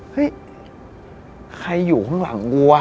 เฮ้ยใครอยู่ข้างหลังวัว